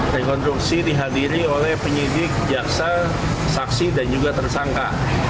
rekonstruksi dihadiri oleh penyidik jaksa saksi dan juga tersangka